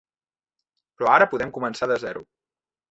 Però ara podem començar de zero.